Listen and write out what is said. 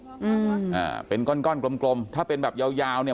อืมอ่าเป็นก้อนก้อนกลมกลมถ้าเป็นแบบยาวยาวเนี่ย